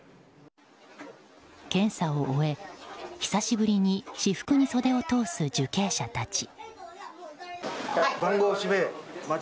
検査を終え、久しぶりに私服に袖を通す受刑者たち。